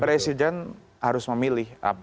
presiden harus memilih